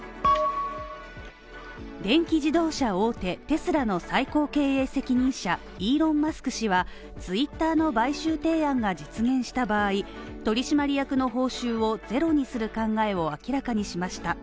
電気自動車大手テスラの最高経営責任者イーロン・マスク氏はツイッターの買収提案が実現した場合、取締役の報酬をゼロにする考えを明らかにしました。